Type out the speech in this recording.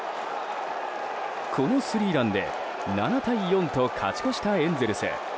このスリーランで７対４と勝ち越したエンゼルス。